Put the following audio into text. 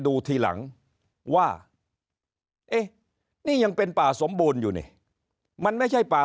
ดูทีหลังว่าเอ๊ะนี่ยังเป็นป่าสมบูรณ์อยู่นี่มันไม่ใช่ป่า